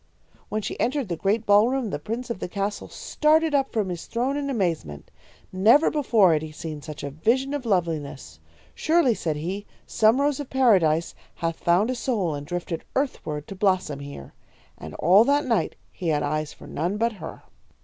"When she entered the great ballroom, the prince of the castle started up from his throne in amazement. Never before had he seen such a vision of loveliness. 'Surely,' said he, 'some rose of Paradise hath found a soul and drifted earthward to blossom here.' And all that night he had eyes for none but her.